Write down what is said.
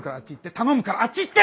頼むあっち行って！